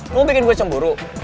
lu mau bikin gua cemburu